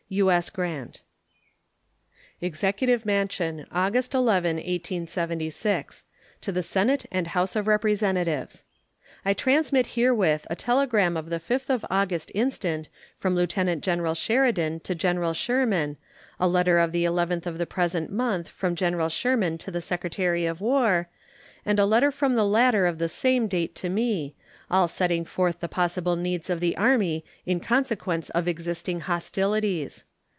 U.S. GRANT. EXECUTIVE MANSION, August 11, 1876. To the Senate and House of Representatives: I transmit herewith a telegram of the 5th of August instant from Lieutenant General Sheridan to General Sherman, a letter of the 11th of the present month from General Sherman to the Secretary of War, and a letter from the latter of the same date to me, all setting forth the possible needs of the Army in consequence of existing hostilities.